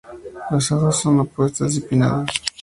Las hojas son opuestas y pinnadas.